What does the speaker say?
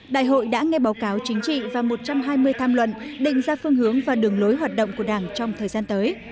đại hội đã nghe báo cáo chính trị và một trăm hai mươi tham luận định ra phương hướng và đường lối hoạt động của đảng trong thời gian tới